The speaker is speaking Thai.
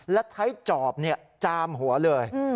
และใช้จอบจามหัวเลย